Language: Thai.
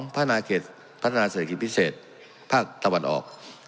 พัฒนาเขตพัฒนาเศรษฐกิจพิเศษภาคตะวันออก